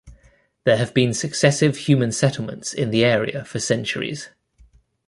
There have been successive human settlements in the area for centuries.